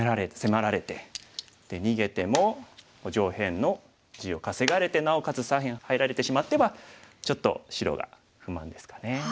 逃げても上辺の地を稼がれてなおかつ左辺入られてしまってはちょっと白が不満ですかね。